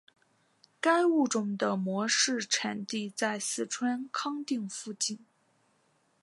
该物种的模式产地在四川康定附近。